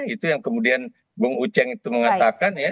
itu yang kemudian bung uceng itu mengatakan ya